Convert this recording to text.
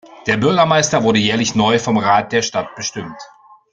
Der Bürgermeister wurde jährlich neu vom Rat der Stadt bestimmt.